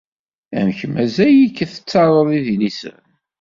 Amek mazal-ik tettaruḍ idlisen?